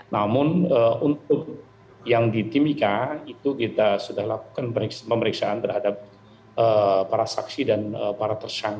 namun untuk yang di timika itu kita sudah lakukan pemeriksaan terhadap para saksi dan para tersangka